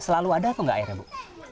selalu ada atau tidak airnya ibu